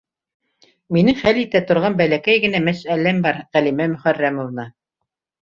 - Минең хәл итә торған бәләкәй генә мәсьәләм бар, Ғәлимә Мөхәррәмовна.